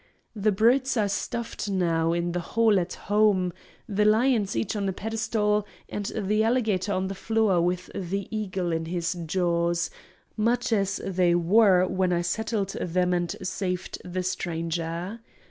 The brutes are stuffed now, in the hall at home—the lions each on a pedestal, and the alligator on the floor with the eagle in his jaws—much as they were when I settled them and saved the Stranger.